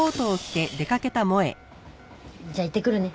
じゃあ行ってくるね。